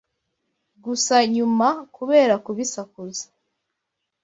gusa nyuma kubera kubisakuza,